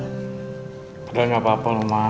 udah gak apa apa loh ma